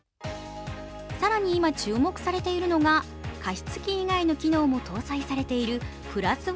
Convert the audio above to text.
更に、今注目されているのが加湿器以外の機能も搭載されているブラス１